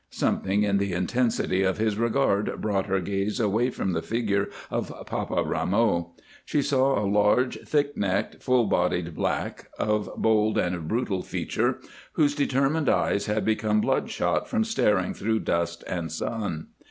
Something in the intensity of his regard brought her gaze away from the figure of Papa Rameau. She saw a large, thick necked, full bodied black, of bold and brutal feature, whose determined eyes had become bloodshot from staring through dust and sun.